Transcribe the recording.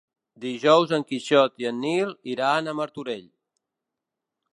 Dijous en Quixot i en Nil iran a Martorell.